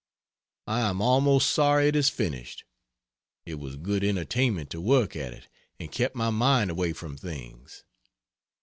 I am almost sorry it is finished; it was good entertainment to work at it, and kept my mind away from things.